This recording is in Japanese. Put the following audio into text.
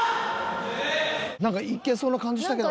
なんかいけそうな感じしたけど。